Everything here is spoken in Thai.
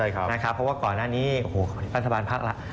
เพราะว่าก่อนหน้านี้อันสบานภาครัฐ